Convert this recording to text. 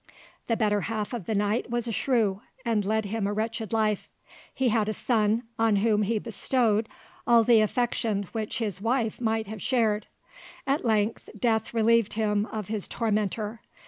The better half of the knight was a shrew, and led him a wretched life. He had a son, on whom he bestowed all the affection which his wife might have shared. At length death relieved him of his tormentor.